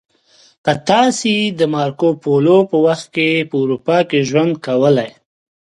که تاسې د مارکو پولو په وخت کې په اروپا کې ژوند کولی